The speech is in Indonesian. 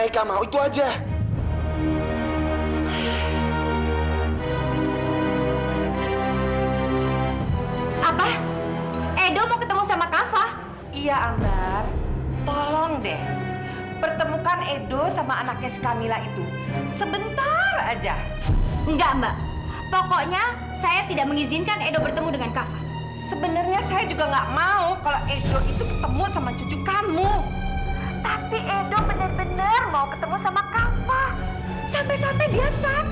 kamu mau mama mengizinkan edo bertemu dengan kava